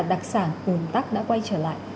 đặc sản cùng tắc đã quay trở lại